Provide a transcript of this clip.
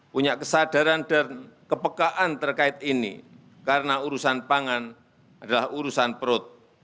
punya kesadaran dan kepekaan terkait ini karena urusan pangan adalah urusan perut